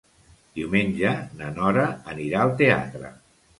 Diumenge na Nora anirà al teatre.